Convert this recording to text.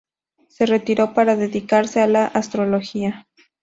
Se retiró para dedicarse a la astrología.